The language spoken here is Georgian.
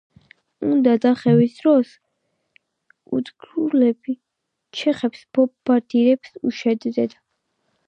უკან დახევის დროს უნგრელები ჩეხებს ბომბარდირებს უშენდნენ.